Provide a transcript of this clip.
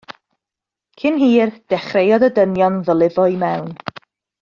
Cyn hir dechreuodd y dynion ddylifo i mewn.